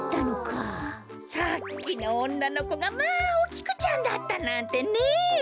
さっきのおんなのこがまあお菊ちゃんだったなんてねえ。